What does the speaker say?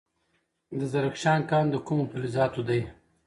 د زرکشان کان د کومو فلزاتو دی؟